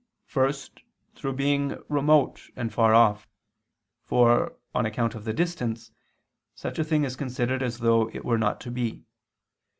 First, through being remote and far off: for, on account of the distance, such a thing is considered as though it were not to be.